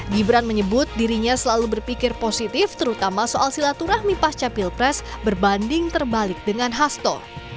gibran menyebut dirinya selalu berpikir positif terutama soal silaturahmi pasca pilpres berbanding terbalik dengan hasto